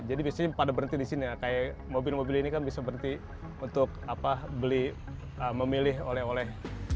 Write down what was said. jadi biasanya pada berhenti di sini ya kayak mobil mobil ini kan bisa berhenti untuk beli memilih oleh oleh